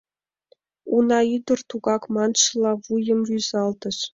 Уна ӱдыр тугак маншыла вуйым рӱзалтыш.